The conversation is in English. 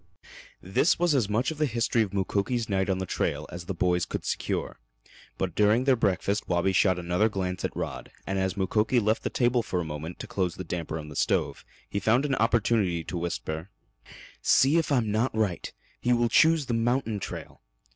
This was as much of the history of Mukoki's night on the trail as the boys could secure, but during their breakfast Wabi shot another glance at Rod, and as Mukoki left the table for a moment to close the damper in the stove he found an opportunity to whisper: "See if I'm not right. He will choose the mountain trail."